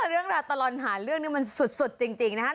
เรื่องราวตลอดหาเรื่องนี้มันสุดจริงนะครับ